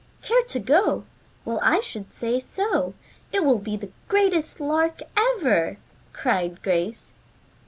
"Care to go? Well I should say so. It will be the greatest lark ever," cried Grace.